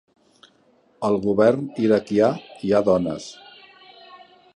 Al govern iraquià hi ha dones